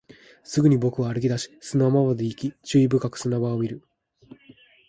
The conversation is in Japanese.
すぐに僕は歩き出し、砂場まで行き、注意深く砂場を見る